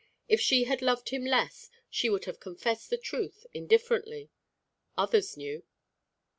If she had loved him less, she would have confessed the truth, indifferently. Others knew.